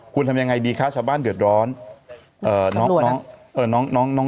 ควรทำอย่างไรดีคะชาวบ้านเดือดร้อน